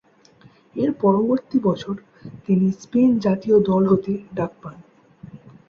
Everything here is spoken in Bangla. এর পরবর্তী বছর, তিনি স্পেন জাতীয় দল হতে ডাক পান।